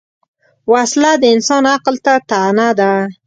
وسله د انسان عقل ته طعنه ده